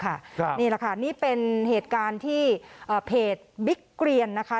นี่แหละค่ะนี่เป็นเหตุการณ์ที่เพจบิ๊กเกรียนนะคะ